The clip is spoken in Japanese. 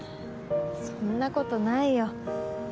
そんなことないよ。